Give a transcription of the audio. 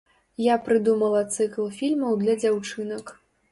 Я прыдумала цыкл фільмаў для дзяўчынак.